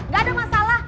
gak ada masalah